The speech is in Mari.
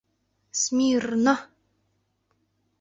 Смир-рно-о!